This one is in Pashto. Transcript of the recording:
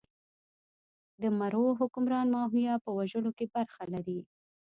د مرو حکمران ماهویه په وژلو کې برخه لري.